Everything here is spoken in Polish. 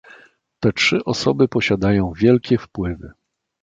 "Te trzy osoby posiadają wielkie wpływy."